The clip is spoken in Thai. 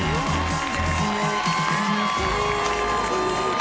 โอ้โฮ